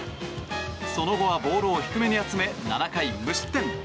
その後はボールを低めに集め７回無失点。